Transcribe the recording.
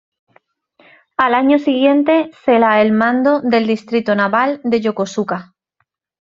Al año siguiente se la el mando del Distrito Naval de Yokosuka.